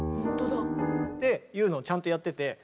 っていうのをちゃんとやってて。